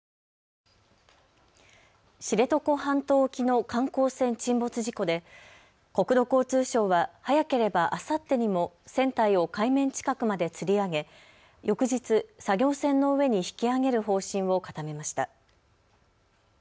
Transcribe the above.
知床半島沖の観光船沈没事故で国土交通省は早ければあさってにも船体を海面近くまでつり上げ、翌日、作業船の上に引き揚げる方針を固めました。